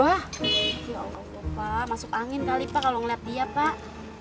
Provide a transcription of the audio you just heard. wah oke pak masuk angin kali pak kalau ngeliat dia pak